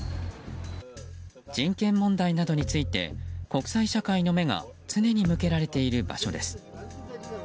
人権問題について国際社会の目が常に向けられている場所です。